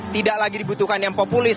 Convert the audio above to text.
tidak lagi dibutuhkan yang populis